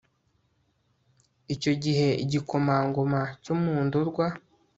icyo gihe igikomangoma cyo mu ndorwa